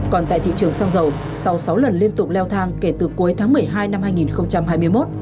còn tại thị trường xăng dầu sau sáu lần liên tục leo thang kể từ cuối tháng một mươi hai năm hai nghìn hai mươi một